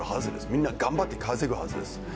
みんな頑張って稼ぐはずです。